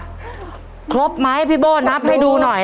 พี่โบ้นครบไหมนับให้ดูหน่อย